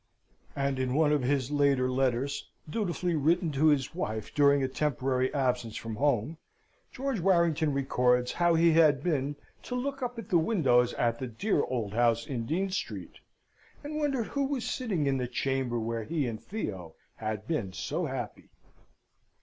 And in one of his later letters, dutifully written to his wife during a temporary absence from home, George Warrington records how he had been to look up at the windows of the dear old house in Dean Street, and wondered who was sitting in the chamber where he and Theo had been so happy.